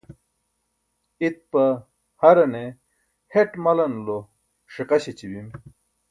itpa harane heṭ malanulo ṣiqa śeći bim